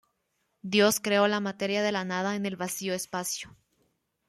Dios creó la materia de la nada en el vacío espacio.